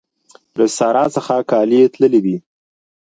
له سارا څخه کالي تللي دي.